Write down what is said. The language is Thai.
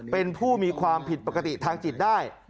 เป็นผู้มีความผิดปกติทางจิตได้